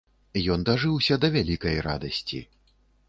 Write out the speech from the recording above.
Ён дажыўся да вялікай радасці.